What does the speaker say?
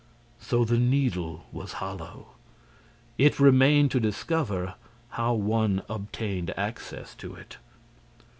So the Needle was hollow. It remained to discover how one obtained access to it.